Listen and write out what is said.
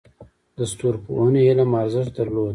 د ستورپوهنې علم ارزښت درلود